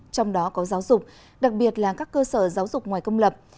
trong đó có giáo dục đặc biệt là các cơ sở giáo dục ngoài công lập